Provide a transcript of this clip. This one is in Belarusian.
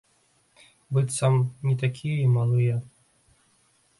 Быццам, не такія і малыя.